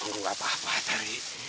nggak apa apa tari